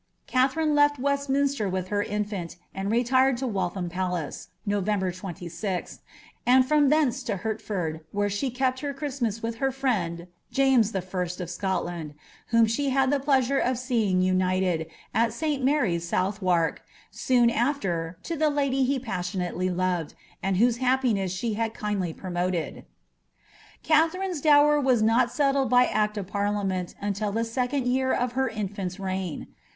Kalherine leJl Westminster with her infant, and retired lo WaJtham Palace, November ^6th. and from thence to llerlford, whore she kfpl her Christmas with her friend, Jsmes I. of Scoitaud,' whom she had lit* pteaauie of seeing united, at St. Mary's, Suutbwark, soun after. Id the lady he jiaaBiunaiely loved, anil whose liappiness she liad kmdly pro moted. Kaiherine's dower was not settled by Act of Partiameni nntil the w cond year of her infant's reign.